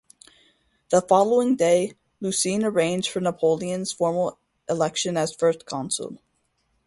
The following day Lucien arranged for Napoleon's formal election as First Consul.